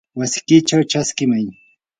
wasikichaw chaskimay.